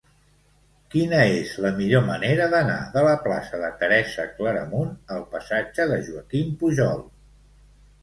Quina és la millor manera d'anar de la plaça de Teresa Claramunt al passatge de Joaquim Pujol?